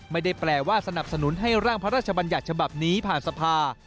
ไม่ได้แปลว่าสนับสนุนให้ร่างพระราชบัญญัติฉบับนี้ผ่านสภา